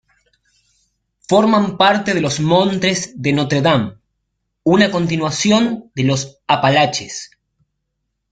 Forman parte de los Montes de Notre Dame, una continuación de los Apalaches.